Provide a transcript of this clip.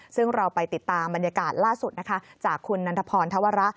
ซึ่งเราไปติดตามบรรยากาศล่าสุดนะคะจากคุณนันทพรธวระ